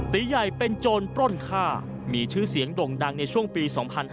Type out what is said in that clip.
ตีใหญ่เป็นโจรปล้นฆ่ามีชื่อเสียงด่งดังในช่วงปี๒๕๕๙